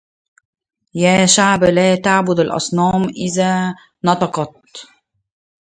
يا شعب لا تعبد الأصنام إذ نطقت